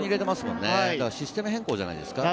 システム変更じゃないですか？